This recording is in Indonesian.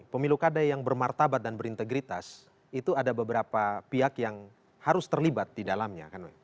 pemilu kada yang bermartabat dan berintegritas itu ada beberapa pihak yang harus terlibat di dalamnya